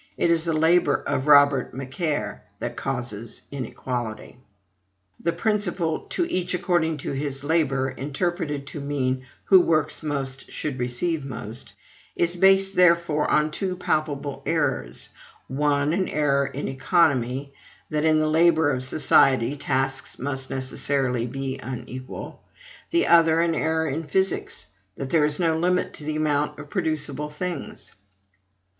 It is the LABOR of Robert Macaire that causes inequality. The principle, TO EACH ACCORDING TO HIS LABOR, interpreted to mean, WHO WORKS MOST SHOULD RECEIVE MOST, is based, therefore, on two palpable errors: one, an error in economy, that in the labor of society tasks must necessarily be unequal; the other, an error in physics, that there is no limit to the amount of producible things.